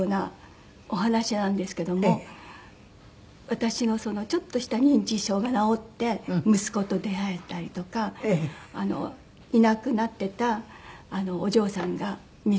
私のちょっとした認知症が治って息子と出会えたりとかいなくなってたお嬢さんが見付かったりとか。